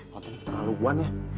tante terlalu buan ya